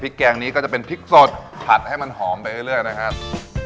แกงนี้ก็จะเป็นพริกสดผัดให้มันหอมไปเรื่อยนะครับ